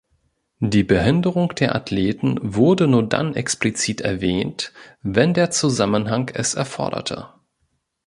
Die Behinderung der Athleten wurde nur dann explizit erwähnt, wenn der Zusammenhang es erforderte.